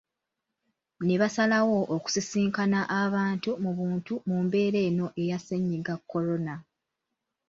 Ne basalawo okusisinkana abantu mu buntu mu mbeera eno eya ssennyiga korona.